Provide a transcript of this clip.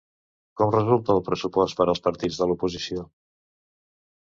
Com resulta el pressupost per als partits de l'oposició?